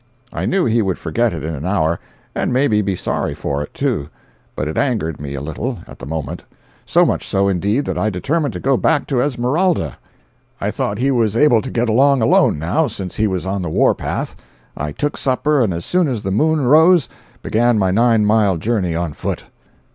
I knew he would forget it in an hour, and maybe be sorry for it, too; but it angered me a little, at the moment. So much so, indeed, that I determined to go back to Esmeralda. I thought he was able to get along alone, now, since he was on the war path. I took supper, and as soon as the moon rose, began my nine mile journey, on foot.